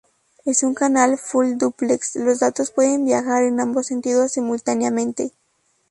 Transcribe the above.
En un canal "full duplex", los datos pueden viajar en ambos sentidos simultáneamente.